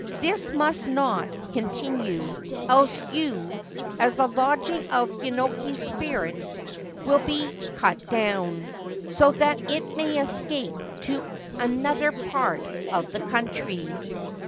This must not continue ; else you, as the lodging of Yenoki's spirit, will be cut down, so that it may escape to another part of the country.'